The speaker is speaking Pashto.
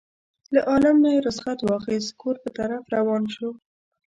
له عالم نه یې رخصت واخیست کور په طرف روان شو.